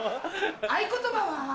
合言葉は。